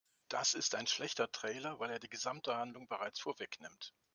Das ist ein schlechter Trailer, weil er die gesamte Handlung bereits vorwegnimmt.